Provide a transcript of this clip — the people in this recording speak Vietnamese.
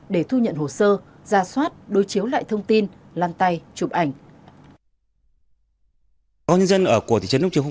để thu nhận hồ sơ ra soát đối chiếu lại thông tin lan tay chụp ảnh